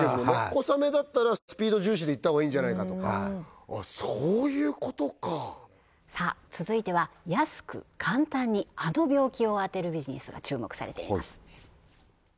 小雨だったらスピード重視でいった方がいいんじゃないかとかああそういうことか続いては安く簡単にあの病気を当てるビジネスが注目されています